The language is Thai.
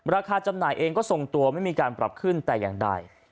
จำหน่ายเองก็ทรงตัวไม่มีการปรับขึ้นแต่อย่างใด